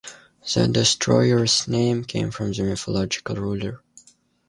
The destroyer's name came from the mythological ruler.